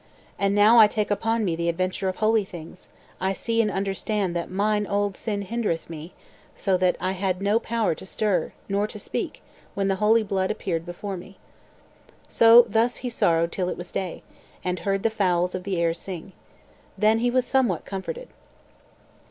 And now I take upon me the adventure of holy things, I see and understand that mine old sin hindereth me, so that I had no power to stir nor to speak when the holy blood appeared before me." So thus he sorrowed till it was day, and heard the fowls of the air sing. Then was he somewhat comforted.